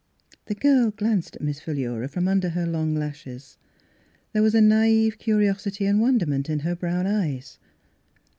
The girl glanced at Miss Philura from under her long lashes. There was a naive curiosity and wonderment in her brown eyes.